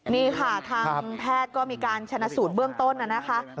นี่ค่ะทางแพทย์ก็มีการชนะสูตรเบื้องต้นนะคะ